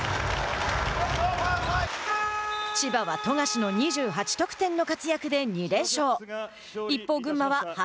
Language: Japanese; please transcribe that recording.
千葉は富樫の２８得点の活躍で２連勝。